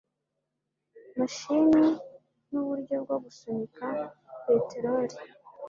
mashini n uburyo bwo gusunika peteroli